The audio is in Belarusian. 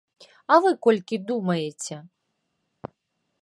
А вы колькі думаеце?